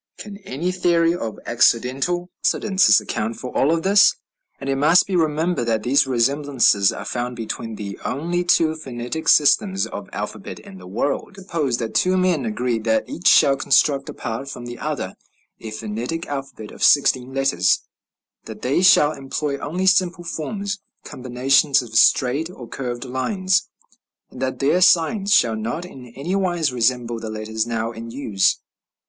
Can any theory of accidental coincidences account for all this? And it must be remembered that these resemblances are found between the only two phonetic systems of alphabet in the world. Let us suppose that two men agree that each shall construct apart from the other a phonetic alphabet of sixteen letters; that they shall employ only simple forms combinations of straight or curved lines and that their signs shall not in anywise resemble the letters now in use.